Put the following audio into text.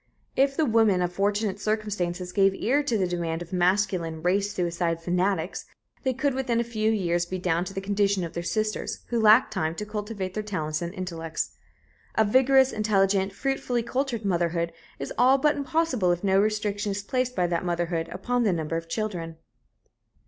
If the women in fortunate circumstances gave ear to the demand of masculine "race suicide"[A] fanatics they could within a few years be down to the condition of their sisters who lack time to cultivate their talents and intellects. A vigorous, intelligent, fruitfully cultured motherhood is all but impossible if no restriction is placed by that motherhood upon the number of children.